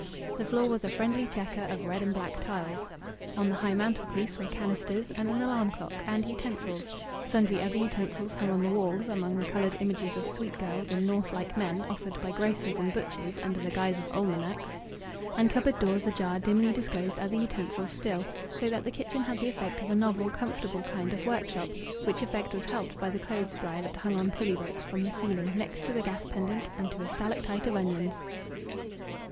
The floor was a friendly chequer of red and black tiles. On the high mantelpiece were canisters and an alarm clock and utensils; sundry other utensils hung on the walls, among the coloured images of sweet girls and Norse like men offered by grocers and butchers under the guise of almanacs; and cupboard doors ajar dimly disclosed other utensils still, so that the kitchen had the effect of a novel, comfortable kind of workshop; which effect was helped by the clothes drier that hung on pulley ropes from the ceiling, next to the gas pendant and to a stalactite of onions.